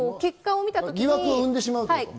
疑惑を生んでしまうということ？